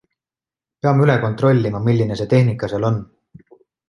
Peame üle kontrollima, milline see tehnika seal on.